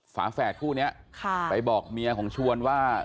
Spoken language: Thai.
ฝาแฝดคู่นี้ไปบอกเมียของชวนว่า